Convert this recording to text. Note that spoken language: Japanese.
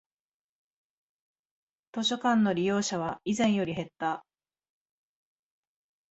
図書館の利用者は以前より減った